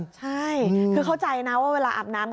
ใช่คือเข้าใจนะว่าเวลาอาบน้ำ